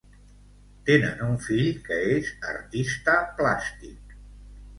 Tenen un fill que és artista plàstic.